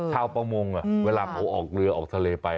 ชาวประมงเวลาเขาออกเรือออกทะเลไป